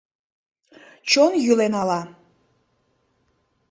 Чон йӱлен ала